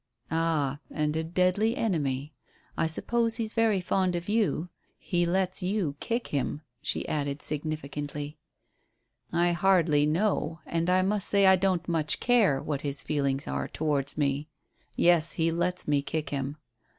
"Ah, and a deadly enemy. I suppose he's very fond of you. He lets you kick him," she added significantly. "I hardly know and I must say I don't much care what his feelings are towards me. Yes, he lets me kick him."